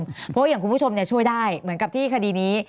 เพราะว่าอย่างคุณผู้ชมช่วยได้เหมือนกับที่คดีนี้